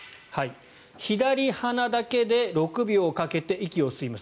左鼻だけで６秒かけて息を吸います。